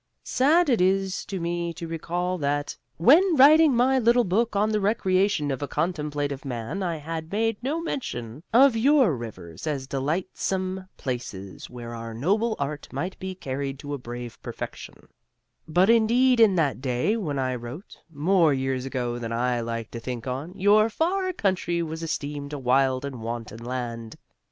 Sad it is to me to recall that when writing my little book on the recreation of a contemplative man I had made no mention of your rivers as delightsome places where our noble art might be carried to a brave perfection, but indeed in that day when I wrote more years ago than I like to think on your far country was esteemed a wild and wanton land.